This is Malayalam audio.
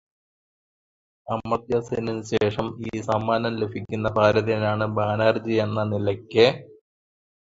അമർത്യ സെന്നിനുശേഷം ഈ സമ്മാനം ലഭിക്കുന്ന ഭാരതീയനാണ് ബാനർജി എന്ന നിലയ്ക്ക്